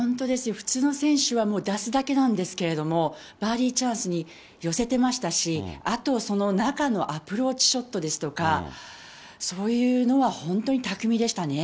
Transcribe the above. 普通の選手はもう出すだけなんですけども、バーディーチャンスに寄せてましたし、あと、中のアプローチショットですとか、そういうのは本当に巧みでしたね。